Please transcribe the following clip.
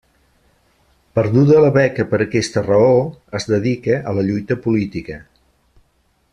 Perduda la beca per aquesta raó, es dedica a la lluita política.